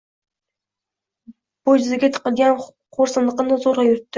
Bo`јziga tiqilgan xo`rsiniqni zo`rјa yutdi